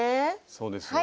そうです。